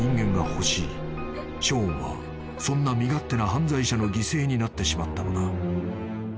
［ショーンはそんな身勝手な犯罪者の犠牲になってしまったのだ］